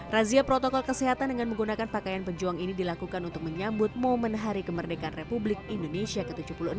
razia protokol kesehatan dengan menggunakan pakaian pejuang ini dilakukan untuk menyambut momen hari kemerdekaan republik indonesia ke tujuh puluh enam